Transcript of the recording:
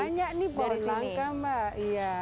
banyak nih pohon langka mbak